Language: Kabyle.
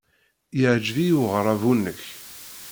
Yeɛjeb-iyi uɣerrabu-nnek.